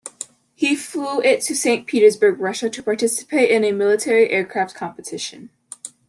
He flew it to Saint Petersburg, Russia to participate in a military aircraft competition.